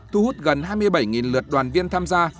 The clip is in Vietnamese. thu hút gần hai mươi bảy lượt đoàn viên tham gia